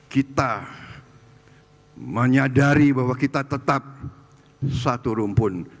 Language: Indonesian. kita menyadari bahwa kita tetap satu rumpun